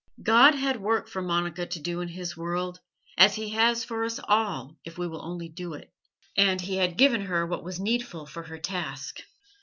God had work for Monica to do in His world, as He has for us all if we will only do it, and He had given her what was needful for her task.